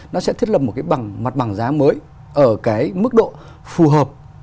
nó sẽ thiết lập một cái bằng mặt bằng giá mới ở cái mức độ phù hợp